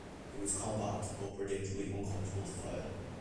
It was compact but predictably uncomfortable to fire.